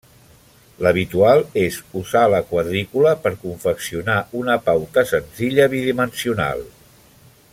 L'habitual és usar la quadrícula per confeccionar una pauta senzilla bidimensional.